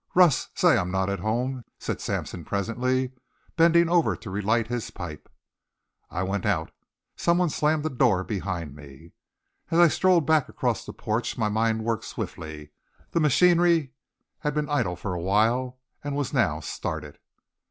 "Russ, say I'm not at home," said Sampson presently, bending over to relight his pipe. I went out. Someone slammed the door behind me. As I strode back across the porch my mind worked swiftly; the machinery had been idle for a while and was now started.